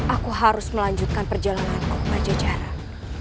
aku harus melanjutkan perjalananku ke pajajaran